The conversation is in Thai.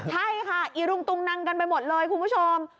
ใช่ค่ะอีรุงตุงนังกันไปหมดเลยคุณผู้ชม